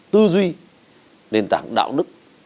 tư duy nền tảng đạo đức